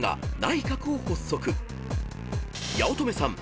［八乙女さん